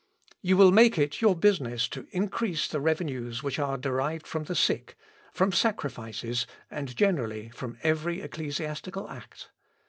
You will make it your business to increase the revenues which are derived from the sick, from sacrifices, and generally from every ecclesiastical act."